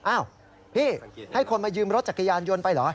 อ้าวพี่ให้คนมายืมรถจักรยานยนต์ไปเหรอ